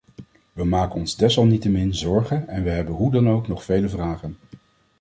We maken ons desalniettemin zorgen en we hebben hoe dan ook nog vele vragen.